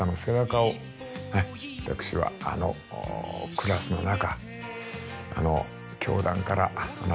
私はあのクラスの中あの。